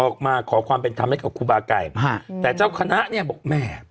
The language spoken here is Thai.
ออกมาขอความเป็นธรรมให้กับครูบาไก่ฮะแต่เจ้าคณะเนี่ยบอกแม่